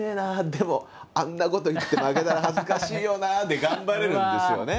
でもあんなこと言って負けたら恥ずかしいよな」で頑張れるんですよね。